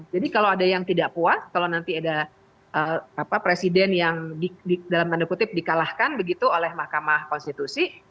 jadi kalau ada yang tidak puas kalau nanti ada presiden yang di dalam tanda kutip di kalahkan begitu oleh mahkamah konstitusi